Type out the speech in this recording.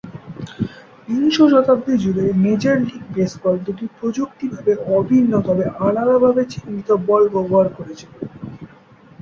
বিংশ শতাব্দী জুড়ে, major League baseball দুটি প্রযুক্তিগতভাবে অভিন্ন, তবে আলাদাভাবে চিহ্নিত বল ব্যবহার করেছিল।